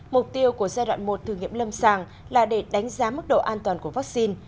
mục tiêu của giai đoạn một thử nghiệm lâm sàng là để đánh giá mức độ an toàn của vaccine